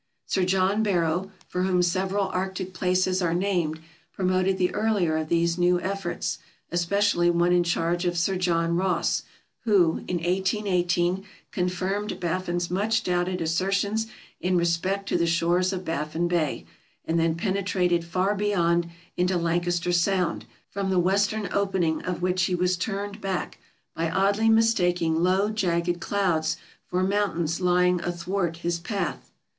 Sir John Barrow, for whom several arctic places are named, promoted the earlier of these new efforts, especially one in charge of Sir John Ross, who, in 1818, confirmed Baffin's much doubted assertions in respect to the shores of Baffin Bay, and then penetrated far beyond into Lancaster Sound, from the western opening of which he was turned back by oddly mistaking low jagged clouds for 450 TRAVELERS AND EXPLORERS mountains lying athwart his path.